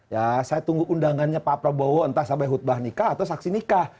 ya saya tunggu undangannya pak prabowo entah sampai hutbah nikah atau saksi nikah